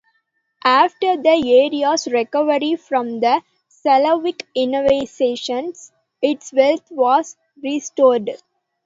After the area's recovery from the Slavic invasions, its wealth was restored.